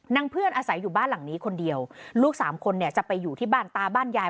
เพื่อนอาศัยอยู่บ้านหลังนี้คนเดียวลูกสามคนเนี่ยจะไปอยู่ที่บ้านตาบ้านยาย